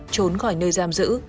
trốn khỏi nơi giam giữ